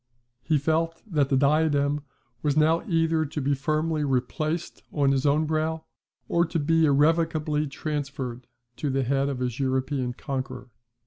He felt that the diadem was now either to be firmly replaced on his own brow, or to be irrevocably transferred to the head of his European conqueror.